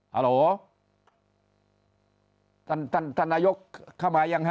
ฮัลโหลท่านท่านท่านนายกเข้ามายังฮะ